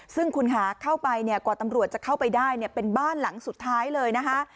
ซึ่งคุณหาเข้าไปกว่าตำรวจจะเข้าไปได้เป็นบ้านหลังสุดท้ายเลยนะคะ